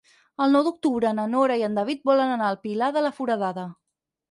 El nou d'octubre na Nora i en David volen anar al Pilar de la Foradada.